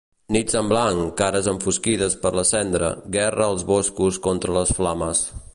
Nits en blanc, cares enfosquides per la cendra, guerra als boscos contra les flames.